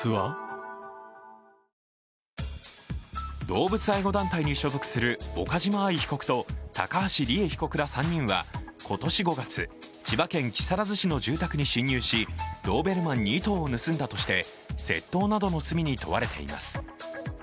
動物愛護団体に所属する岡島愛被告と高橋里衣被告ら３人は今年５月、千葉県木更津市の住宅に侵入し、ドーベルマン２頭を盗んだとして窃盗などの罪に問われています。